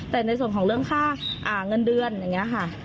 แต่ในส่วนของเรื่องค่าเงินเดือนอย่างนี้ค่ะ